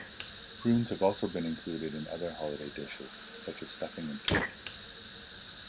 Prunes have also been included in other holiday dishes, such as stuffing and cake.